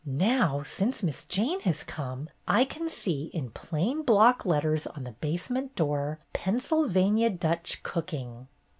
Now, since Miss Jane has come, I can see in plain block letters on the basement door 'Pennsylvania Dutch Cooking."